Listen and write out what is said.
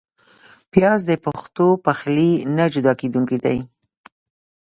پیاز د پښتو پخلي نه جدا کېدونکی دی